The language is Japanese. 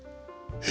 え！？